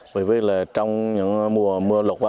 bởi vì là trong những mùa mưa lụt